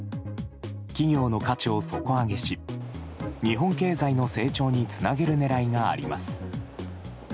企業の価値を底上げし日本経済の成長につなげる狙いがあります。